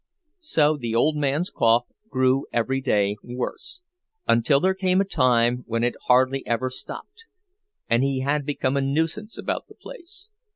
So the old man's cough grew every day worse, until there came a time when it hardly ever stopped, and he had become a nuisance about the place.